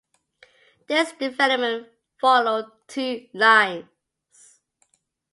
This development followed two lines.